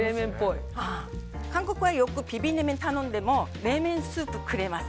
韓国ではよくビビン麺を頼んでも冷麺スープくれます。